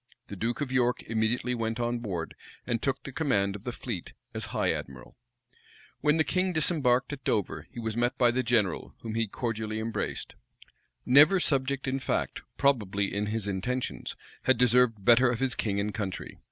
The duke of York immediately went on board, and took the command of the fleet as high admiral. When the king disembarked at Dover, he was met by the general, whom he cordially embraced. Never subject in fact, probably in his intentions, had deserved better of his king and country.